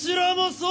そう！